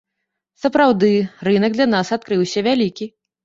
Сапраўды, рынак для нас адкрыўся вялікі.